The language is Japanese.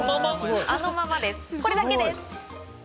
これだけです。